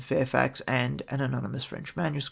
Fairfax and an " anonymous French MS.